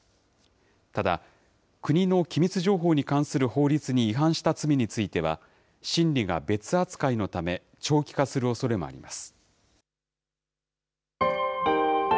ただ、国の機密情報に関する法律に違反した罪については、審理が別扱いのため、長期化するおそれもあります。